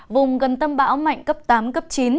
vùng gần tâm bão mạnh cấp tám cấp chín